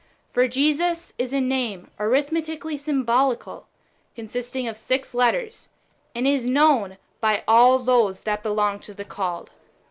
For Jesus (^Irjcrovs:) is a name arithmeti cally^ symbolical, consisting of six letters, and is known by all those that belons; to the called.